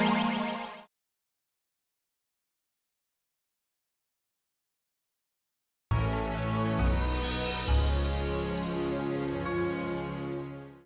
ya ini tuh udah kebiasaan